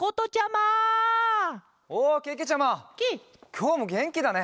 きょうもげんきだね。